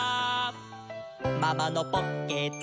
「ママのポッケだ」